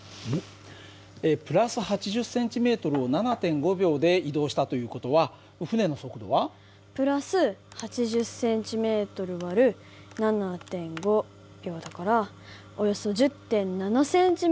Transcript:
＋８０ｃｍを７．５秒で移動したという事は船の速度は？＋８０ｃｍ÷７．５秒だからおよそ１０．７ｃｍ／ｓ。